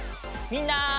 みんな！